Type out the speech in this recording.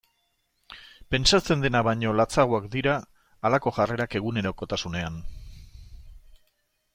Pentsatzen dena baino latzagoak dira halako jarrerak egunerokotasunean.